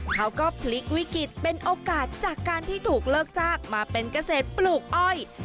เขาก็พลิกวิกฤตเป็นโอกาสจากการที่ถูกเลิกจ้างมาเป็นเกษตรปลูกอ้อย